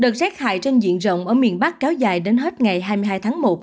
đợt rét hại trên diện rộng ở miền bắc kéo dài đến hết ngày hai mươi hai tháng một